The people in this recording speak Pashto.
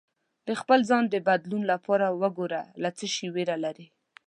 د خپل ځان د بدلون لپاره وګره له څه شي ویره لرې